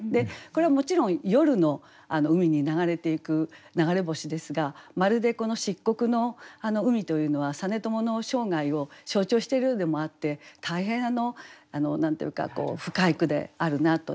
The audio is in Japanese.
これはもちろん夜の海に流れていく流れ星ですがまるでこの漆黒の海というのは実朝の生涯を象徴しているようでもあって大変何て言うか深い句であるなと。